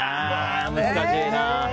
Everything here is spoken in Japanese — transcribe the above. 難しいな。